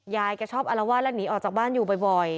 ยายแกชอบอารวาสและหนีออกจากบ้านอยู่บ่อย